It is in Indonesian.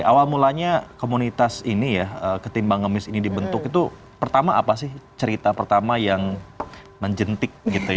awal mulanya komunitas ini ya ketimbang ngemis ini dibentuk itu pertama apa sih cerita pertama yang menjentik gitu ya